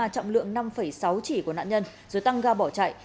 trọng lượng năm sáu chỉ của nạn nhân rồi tăng ga bỏ chạy